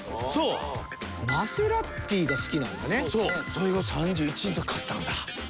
それは３１の時に買ったんだ。